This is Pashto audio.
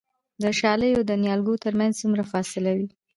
د شالیو د نیالګیو ترمنځ څومره فاصله وي؟